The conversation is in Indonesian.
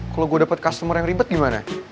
kalau gue dapat customer yang ribet gimana